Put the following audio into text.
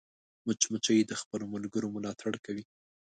مچمچۍ د خپلو ملګرو ملاتړ کوي